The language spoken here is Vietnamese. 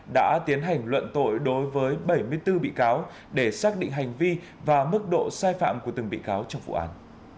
đã tiến hành luận tội đối với bảy mươi bốn bị cáo để xác định hành vi và mức độ sai phạm của từng bị cáo trong vụ án